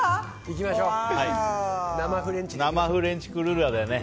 生フレンチクルーラーだよね。